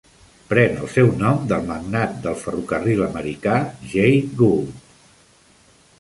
Pren el seu nom del magnat del ferrocarril americà Jay Gould.